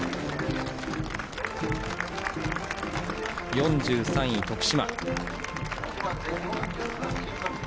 ４３位、徳島。